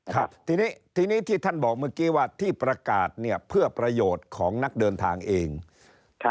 ครับทีนี้ทีนี้ที่ท่านบอกเมื่อกี้ว่าที่ประกาศเนี่ยเพื่อประโยชน์ของนักเดินทางเองอ่า